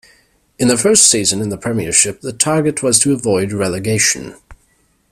In their first season in the Premiership the target was to avoid relegation.